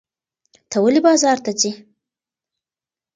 ته ولې بازار ته ځې؟